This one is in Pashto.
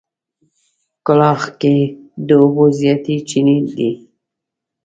کلاخ کلي کې د اوبو زياتې چينې دي.